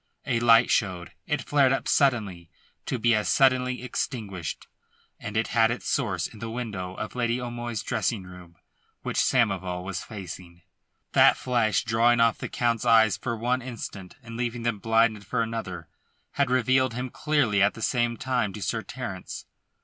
A light showed; it flared up suddenly, to be as suddenly extinguished, and it had its source in the window of Lady O'Moy's dressing room, which Samoval was facing. That flash drawing off the Count's eyes for one instant, and leaving them blinded for another, had revealed him clearly at the same time to Sir Terence.